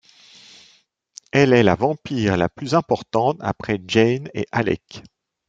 Elle est la vampire la plus importante après Jane et Alec.